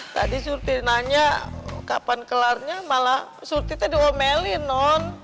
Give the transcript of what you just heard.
tadi surti nanya kapan kelar malah surti tuh udah ngomelin non